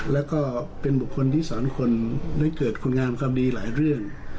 แล้วก็เป็นบุคคลที่สอนคนได้เกิดคุณงามความดีหลายเรื่อง